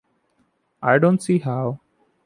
I don't see how.